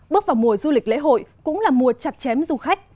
bước vào mùa du lịch lễ hội cũng là mùa chặt chém du khách